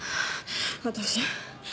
私。